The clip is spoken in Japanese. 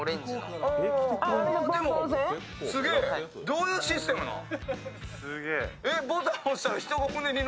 どういうシステムなん？